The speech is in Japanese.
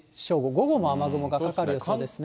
午後も雨雲がかかる予想ですね。